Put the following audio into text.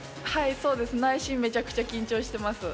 内心めちゃくちゃ緊張しています。